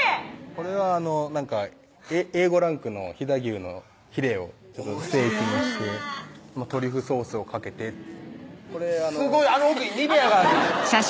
これはＡ５ランクの飛騨牛のヒレをステーキにしてトリュフソースをかけてすごいあの奥にニベアがある背景！